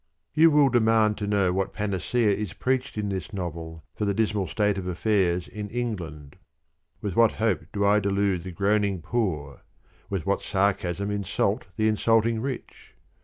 You will demand to know what panacea is preached in this novel as a sovran remedy for the dismal state of affairs in England. With what hope do I delude the groaning poor: with what sarcasm insult the insulting rich?